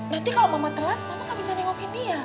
nanti kalau mama telat mama gak bisa nengokin dia